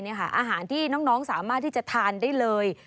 อาหารที่น้องสามารถที่จะทานได้เลย